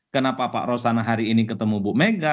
kenapa pak rosana hari ini ketemu bu mega